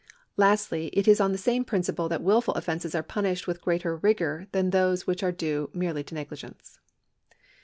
Lastly it is on the same principle that wilful offences are punished with greater rigour than those which are due merely to negligence.